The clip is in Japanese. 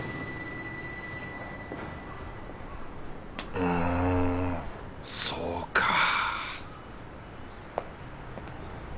うんそうかぁ